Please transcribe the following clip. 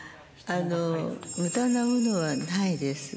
むだなものはないです。